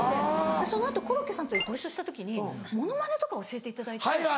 その後コロッケさんとご一緒した時にモノマネとか教えていただいて。